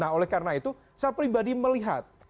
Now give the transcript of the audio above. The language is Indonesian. nah oleh karena itu saya pribadi melihat